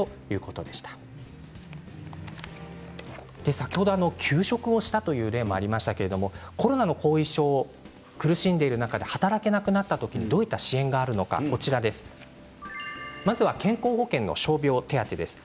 先ほど休職したという例もありましたけどコロナの後遺症苦しんでいる中で働けなくなった時にどういった支援があるのかまずは、健康保険の傷病手当です。